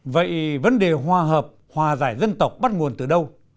vậy vấn đề hòa hợp hòa giải dân tộc bắt nguồn từ đâu